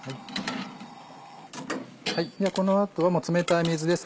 この後は冷たい水ですね。